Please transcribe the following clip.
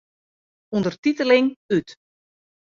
Undertiteling út.